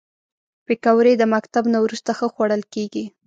پکورې د مکتب نه وروسته ښه خوړل کېږي